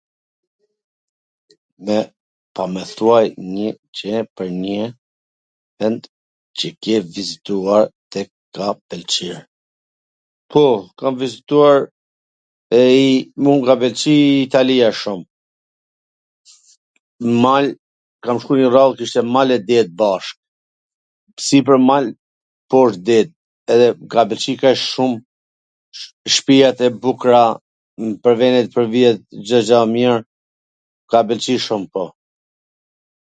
Pa mw thuaj njw gjw pwr njw vend qw ke vizituar, tw ka pwlqyer. Po, kam vizituar, e i, mu m ka pelqy Italia shum, n mal kam shku po rrall mal e det bashk, sipwr mal, posht det, edhe m kan pwlqy kaq shum shpijat e bukra pwr vendet Cdo gja mir, m ka pwlqy shum. po.